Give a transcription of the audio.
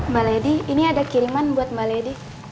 mbak lady ini ada kiriman buat mbak lady